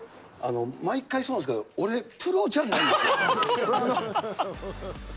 毎回そうなんですけど、俺、プロじゃないんですよ。